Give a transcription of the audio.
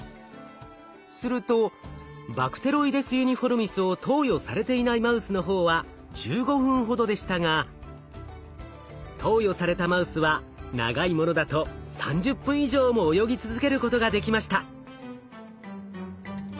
するとバクテロイデス・ユニフォルミスを投与されていないマウスの方は１５分ほどでしたが投与されたマウスは長いものだと３０分以上も泳ぎ続けることができました。